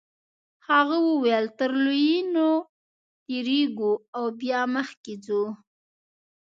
هغه وویل تر لویینو تیریږو او بیا مخکې ځو.